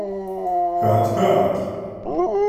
Hört, hört!